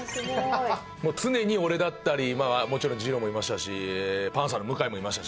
もう常に俺だったりもちろんじろうもいましたしパンサーの向井もいましたし。